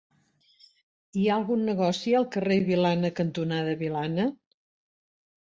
Hi ha algun negoci al carrer Vilana cantonada Vilana?